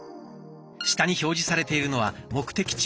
下に表示されているのは目的地